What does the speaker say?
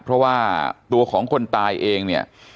เพราะว่าตัวของคนตายเองเนี่ย